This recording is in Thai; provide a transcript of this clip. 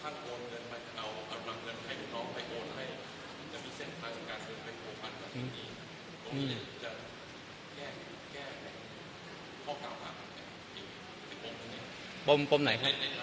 นี้